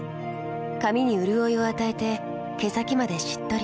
髪にうるおいを与えて毛先までしっとり。